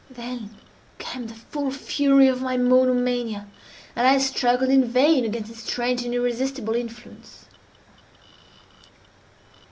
Then came the full fury of my monomania, and I struggled in vain against its strange and irresistible influence.